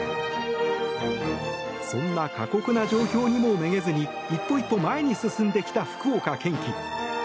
そんな過酷な状況にもめげずに一歩一歩前に進んできた福岡堅樹。